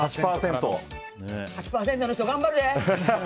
８％の人、頑張るで！